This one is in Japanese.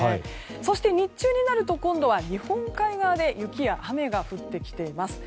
そして日中になると今度は日本海側で雪や雨が降ってきています。